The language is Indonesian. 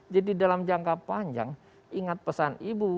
jadi dalam jangka panjang ingat pesan ibu